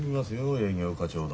営業課長殿。